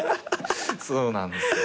そうなんですよ。